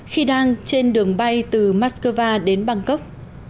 khi đang trên đường bay từ moscow đến bangkok